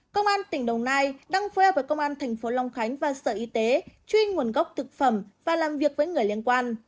công an tp hcm đang phối hợp với công an tp hcm và sở y tế chuyên nguồn gốc thực phẩm và làm việc với người liên quan